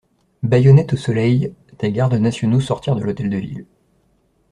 Baïonnettes au soleil, des gardes nationaux sortirent de l'Hôtel de Ville.